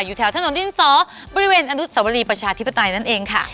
อยู่แถวถนนดินสอบริเวณอนุสวรีประชาธิปไตยนั่นเองค่ะ